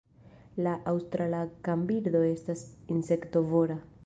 La Aŭstrala kanbirdo estas insektovora.